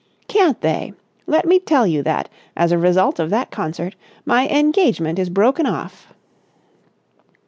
"Can't they? Let me tell you that, as a result of that concert, my engagement is broken off."